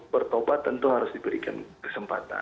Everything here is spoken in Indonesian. bertobat tentu harus diberikan kesempatan